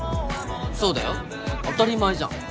そうだよ当たり前じゃん。